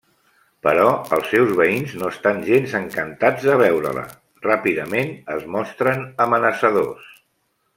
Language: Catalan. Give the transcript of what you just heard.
Però els seus veïns no estan gens encantats de veure-la; ràpidament es mostren amenaçadors.